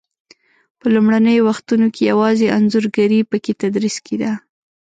په لومړنیو وختو کې یوازې انځورګري په کې تدریس کېده.